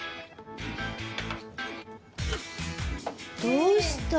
どうした？